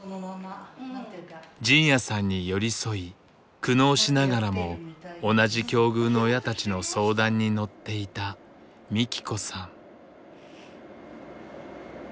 仁也さんに寄り添い苦悩しながらも同じ境遇の親たちの相談に乗っていたみき子さん。